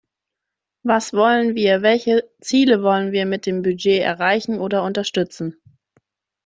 Was wollen wir, welche Ziele wollen wir mit dem Budget erreichen oder unterstützen?